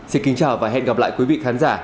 xin kính chào và hẹn gặp lại quý vị khán giả